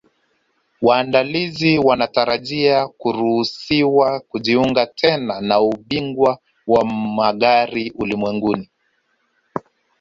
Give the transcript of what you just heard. Waandalizi wanatarajia kuruhusiwa kujiunga tena na Ubingwa wa Magari Ulimwenguni